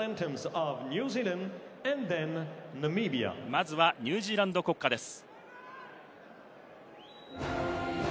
まずはニュージーランド国歌です。